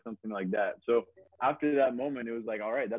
gue ingin bisa bagian dari itu